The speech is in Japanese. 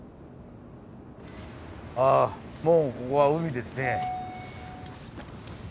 あもうここは海ですね。